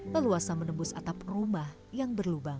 leluasa menembus atap rumah yang berlubang